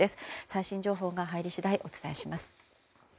最新情報が入り次第お伝えします。